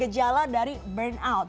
gejala dari burnout